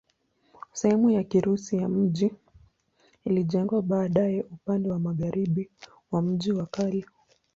Sehemu ya Kirusi ya mji ilijengwa baadaye upande wa magharibi wa mji wa kale.